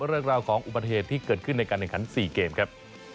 เรื่องราวของอุบัติเหตุที่เกิดขึ้นในการแข่งขัน๔เกมครับ